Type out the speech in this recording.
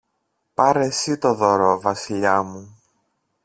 Πάρε συ το δώρο, Βασιλιά μου